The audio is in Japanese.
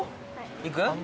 行く？